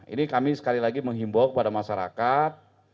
ini kami sekali lagi menghimbau kepada masyarakat